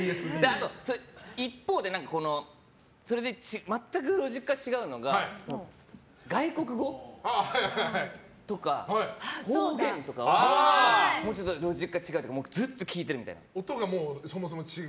一方で全くロジックが違うのは外国語とか方言とかはもうちょっとロジックが違うというかずっと聞いてるみたいな。